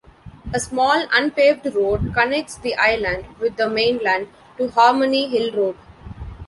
A small unpaved road connects the island with the mainland to Harmony Hill Road.